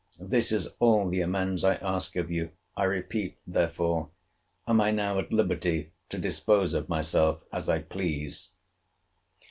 This is all the amends I ask of you. I repeat, therefore, Am I now at liberty to dispose of myself as I please?